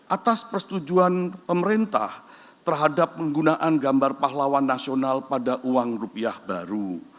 atas persetujuan pemerintah terhadap penggunaan gambar pahlawan nasional pada uang rupiah baru